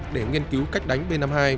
để nghiên cứu cách đánh b năm mươi hai